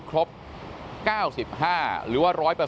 โปรดติดตามต่อไป